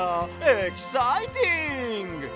エキサイティング！」。